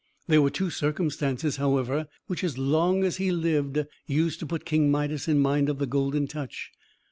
There were two circumstances, however, which, as long as he lived, used to put King Midas in mind of the Golden Touch.